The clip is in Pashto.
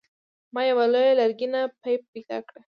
ما یوه لویه لرګینه پیپ پیدا کړه.